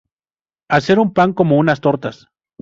Hacer un pan como unas tortas